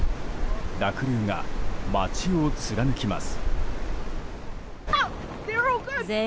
濁流が街を貫きます。